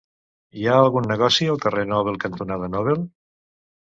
Hi ha algun negoci al carrer Nobel cantonada Nobel?